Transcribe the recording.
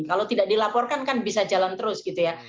kalau tidak dilaporkan kan bisa jalan terus gitu ya